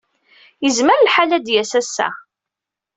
Yezmer lḥal ad d-yas ass-a.